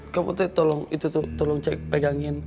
kamu putih tolong itu tuh tolong cek pegangin